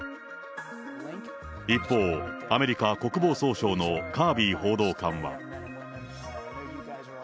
一方、アメリカ国防総省のカービー報道官は。